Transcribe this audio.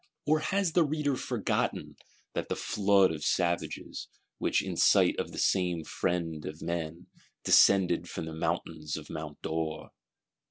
Or has the Reader forgotten that "flood of savages," which, in sight of the same Friend of Men, descended from the mountains at Mont d'Or?